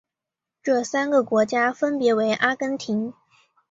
这三个国家分别为阿根廷。